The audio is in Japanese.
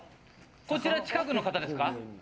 こちら近くの方ですか？